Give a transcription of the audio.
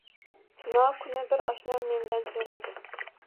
Tunov kuni bir oshnam mendan so’radi.